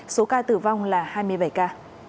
số ca tử vong là hai mươi bảy ca